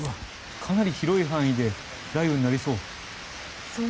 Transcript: かなり広い範囲で雷雨になりそう？